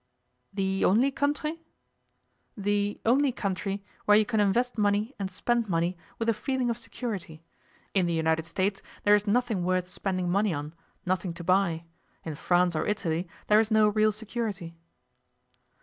'The only country?' 'The only country where you can invest money and spend money with a feeling of security. In the United States there is nothing worth spending money on, nothing to buy. In France or Italy, there is no real security.